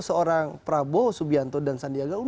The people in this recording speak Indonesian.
yang pak prabowo subianto dan sandiaga